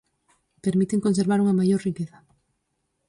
Permiten conservar unha maior riqueza.